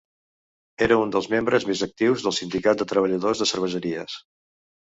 Era un dels membres més actius del Sindicat de Treballadors de Cerveseries.